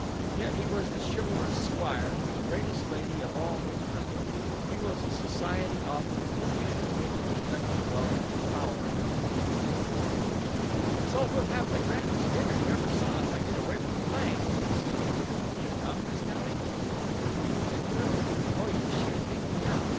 Yet, he was the chivalrous squire to the greatest lady of all his realm; he was a society author, and a man of great prospective wealth and power over mankind! "Say, we'll have the grandest dinner you ever saw if I get away with the play," he was saying. "Will you come, Miss Nelly?" "Indeed I will! Oh, you sha'n't leave me out!